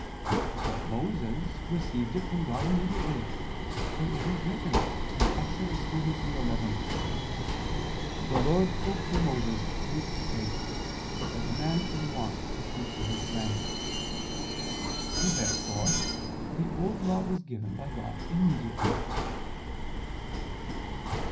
But Moses received it from God immediately: for it is written (Ex. 33:11): "The Lord spoke to Moses face to face, as a man is wont to speak to his friend." Therefore the Old Law was given by God immediately.